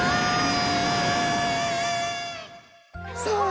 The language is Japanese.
さあ